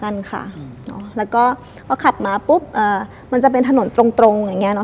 ในรถไม้จะเป็นถนนตรง